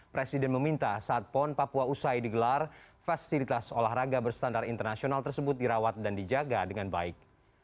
presiden meminta saat pon papua usai digelar fasilitas olahraga berstandar internasional tersebut dirawat dan dijaga dengan baik